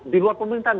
di luar pemerintahan